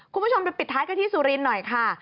คุณผู้ชมไปปิดท้ายกันที่สุรินทร์หน่อยค่ะ